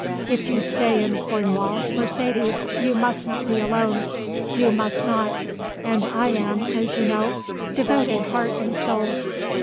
If you stay in Cornwall, Mercedes, you must not be alone; you must not; and I am, as you know, devoted heart and soul.